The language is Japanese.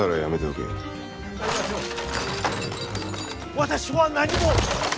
私は何も！